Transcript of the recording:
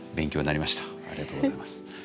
ありがとうございます。